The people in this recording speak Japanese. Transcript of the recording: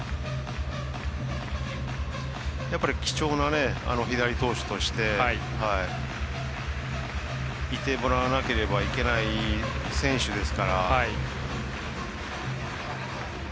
やっぱり貴重な左投手としていてもらわなければいけない選手ですから。